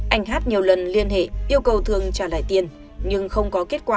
anh hát nhiều lần liên hệ yêu cầu thường trả lại tiền nhưng không có kết quả